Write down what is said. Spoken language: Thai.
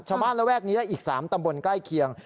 ชาวบ้านระแวกนี้และอีกสามตำบลใกล้เคียง